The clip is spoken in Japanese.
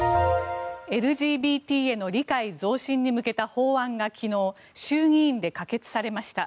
ＬＧＢＴへの理解増進に向けた法案が昨日、衆議院で可決されました。